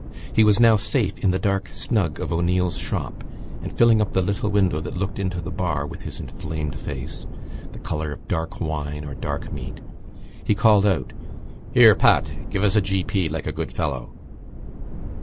He was now safe in the dark snug of O'Neill's shop, and filling up the little window that looked into the bar with his inflamed face, the colour of dark wine or dark meat, he called out: "Here, Pat, give us a g.p., like a good fellow."